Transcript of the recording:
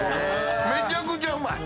めちゃくちゃうまい！